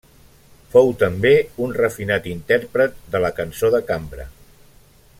Fou també un refinat intèrpret de la cançó de cambra.